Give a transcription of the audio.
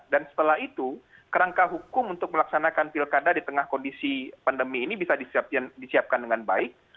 dan setelah itu kerangka hukum untuk melaksanakan pilkada di tengah kondisi pandemi ini bisa disiapkan dengan baik